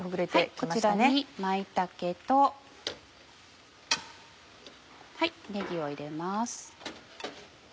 こちらに舞茸とねぎを入れます。